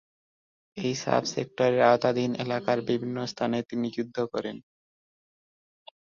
এই সাব-সেক্টরের আওতাধীন এলাকার বিভিন্ন স্থানে তিনি যুদ্ধ করেন।